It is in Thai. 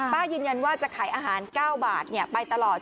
ป้ายืนยันว่าจะขายอาหาร๙บาทไปตลอด